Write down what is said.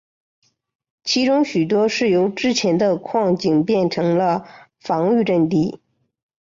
其中许多是由之前的矿井变成了防御阵地。